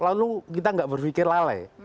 lalu kita nggak berpikir lalai